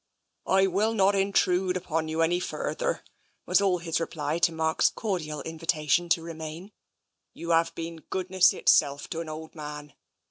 " I will not intrude upon you any further," was all his reply to Mark's cordial invitation to remain. " You have been goodness itself to an old man.